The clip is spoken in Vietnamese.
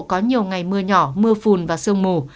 có nhiều ngày mưa nhỏ mưa phùn và sương mù